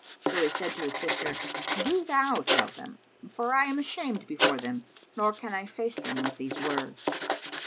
So he said to his sister, "Do thou tell them, for I am ashamed before them nor can I face them with these words."